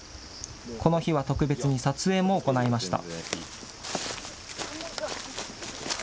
この日は特別に撮影も行いました。